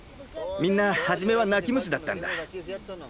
みんなはじめは泣き虫だったんだ。